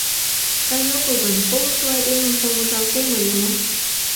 Тый огыл гын, колышо айдемым помыжалтем ыле мо?